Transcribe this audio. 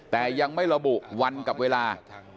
แต่ยังไม่ระบุวันกับเวลา